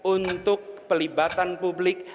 untuk pelibatan publik